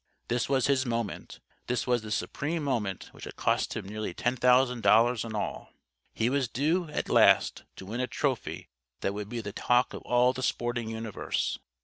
This was his Moment. This was the supreme moment which had cost him nearly ten thousand dollars in all. He was due, at last, to win a trophy that would be the talk of all the sporting universe.